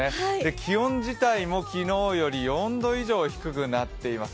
気温自体も昨日より４度以上低くなっています。